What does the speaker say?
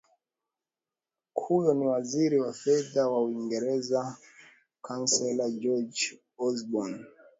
huyo ni waziri wa fedha wa uingereza councellor george osborn